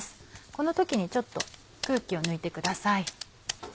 この時にちょっと空気を抜いてください。